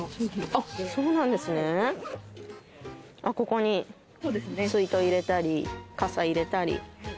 ここに水筒入れたり傘入れたり。